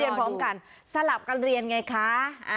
พร้อมกันสลับกันเรียนไงคะ